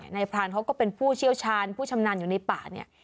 พรานเขาก็เป็นผู้เชี่ยวชาญผู้ชำนาญอยู่ในป่าเนี่ย